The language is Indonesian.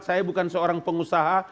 saya bukan seorang pengusaha